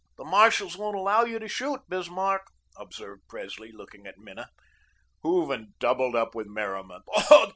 "The marshals won't allow you to shoot, Bismarck," observed Presley, looking at Minna. Hooven doubled up with merriment.